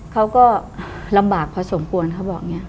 เขาก็ลำบากพอสมควรเขาบอกอย่างนี้